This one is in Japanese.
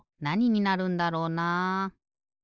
なにになるんだろうな。